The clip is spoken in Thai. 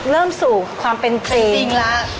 เริ่มสู่ความเป็นจริง